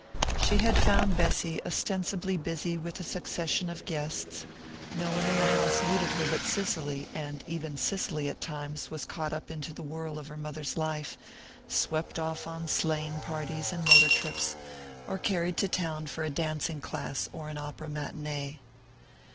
She had found Bessy ostensibly busy with a succession of guests; no one in the house needed her but Cicely, and even Cicely, at times, was caught up into the whirl of her mother's life, swept off on sleighing parties and motor trips, or carried to town for a dancing class or an opera matinée.